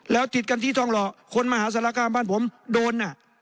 แล้วติดกันที่ทองหล่อคนมหาศาลคามบ้านผมโดน